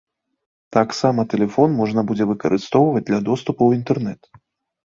Таксама тэлефон можна будзе выкарыстоўваць для доступу ў інтэрнэт.